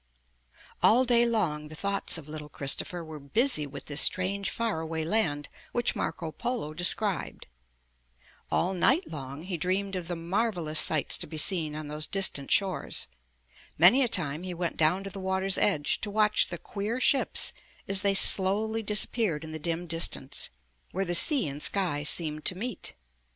All day long the thoughts of little Christopher were busy with this strange far away land which Marco Polo described. All night long he dreamed of the marvelous sights to be seen on those distant shores. Many a time he went down to the water's edge to watch the queer ships as they slowly disappeared in the dim distance, where the sea and sky seemed to meet.